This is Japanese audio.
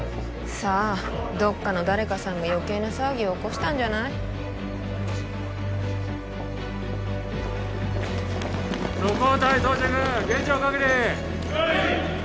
さあどっかの誰かさんが余計な騒ぎを起こしたんじゃない即応隊到着現状確認了解！